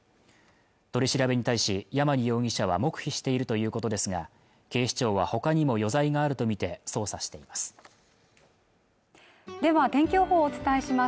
取り調べに対しヤマニ容疑者は黙秘しているということですが警視庁はほかにも余罪があるとみて捜査していますでは天気予報をお伝えします